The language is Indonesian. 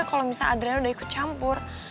kalau misalnya adrian udah ikut campur